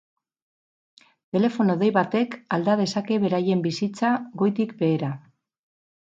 Telefono dei batek alda dezake beraien bizitza goitik behera.